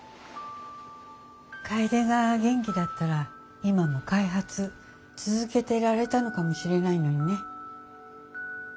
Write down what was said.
楓が元気だったら今も開発続けていられたのかもしれないのにね。